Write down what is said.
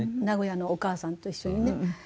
名古屋のお義母さんと一緒にね